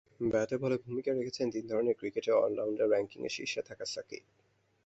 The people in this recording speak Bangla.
ব্যাটে বলে ভূমিকা রেখেছেন তিন ধরনের ক্রিকেটে অলরাউন্ডার র্যাঙ্কিংয়ে শীর্ষে থাকা সাকিব।